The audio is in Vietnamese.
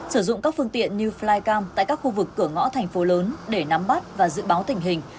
sử dụng các phương tiện như flycam tại các khu vực cửa ngõ thành phố lớn để nắm bắt và dự báo tình hình